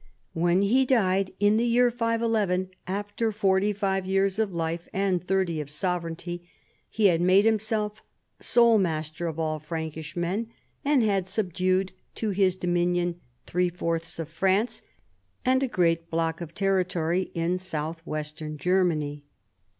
When he died, in the years 511, after forty five years of life and thirty of sovereignty, he had made him self sole master of all Frankish men, and had sub dued to his dominion three fourths of France and a great block of territory in south western Ger many.